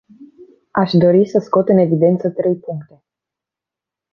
Aș dori să scot în evidență trei puncte.